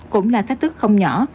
cũng là thách thức không nhỏ